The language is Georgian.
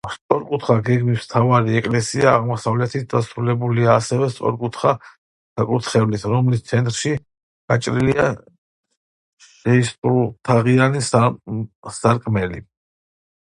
სწორკუთხა გეგმის, მთავარი ეკლესია აღმოსავლეთით დასრულებულია ასევე სწორკუთხა საკურთხევლით, რომლის ცენტრში გაჭრილია შეისრულთაღიანი სარკმელი.